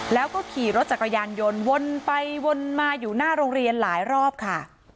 แล้วก็ขี่รถจักรยานยนต์วนไปวนมาอยู่หน้าโรงเรียนหลายรอบค่ะ